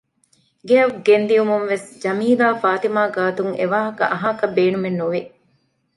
ގެއަށް ގެންދިޔުމުންވެސް ޖަމީލާ ފާތިމާ ގާތުން އެވާހަކަ އަހާކަށް ބޭނުމެއް ނުވި